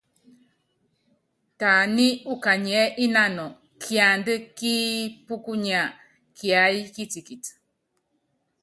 Taní ukanyiɛ́ ínanɔ kiandá kípúkunya kiáyí kitikiti.